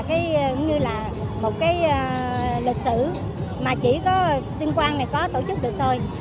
cũng như là một cái lịch sử mà chỉ có tuyên quang này có tổ chức được thôi